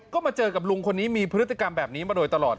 ก็มาเจอกับลุงคนนี้มีพฤติกรรมแบบนี้มาโดยตลอด